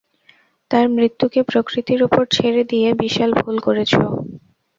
তার মৃত্যুকে প্রকৃতির উপর ছেড়ে দিয়ে বিশাল ভুল করেছো।